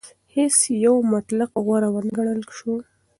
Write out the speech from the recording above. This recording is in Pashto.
هیڅ یو مطلق غوره ونه ګڼل شو.